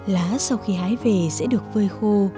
lá sau khi hái về sẽ được vơi khô